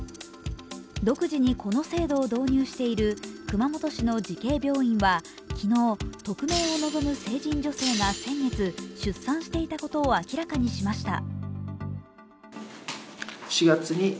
独自にこの制度を導入している熊本市の慈恵病院は昨日、匿名を望む成人女性が先月、出産していたことを明らかにしました。